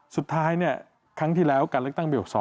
สุดท้ายครั้งที่แล้วการเลขตั้งเบี่ยว๒